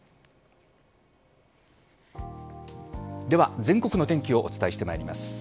では、全国の天気をお伝えしてまいります。